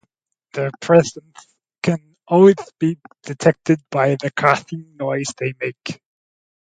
Their presence can always be detected by the crashing noise they make.